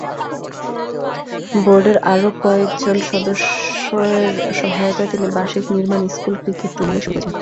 বোর্ডের আরও কয়েকজন সদস্যের সহায়তায় তিনি বার্ষিক নির্মান স্কুল ক্রিকেট টুর্নামেন্ট শুরু করেছিলেন।